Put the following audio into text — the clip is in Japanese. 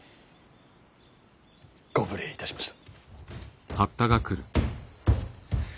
ご無礼いたしました。